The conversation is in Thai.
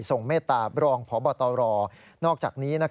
เมตตาบรองพบตรนอกจากนี้